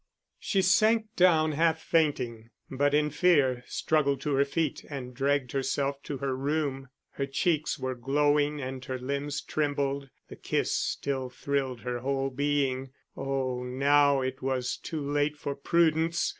She sank down half fainting, but, in fear, struggled to her feet and dragged herself to her room. Her cheeks were glowing and her limbs trembled, the kiss still thrilled her whole being. Oh, now it was too late for prudence!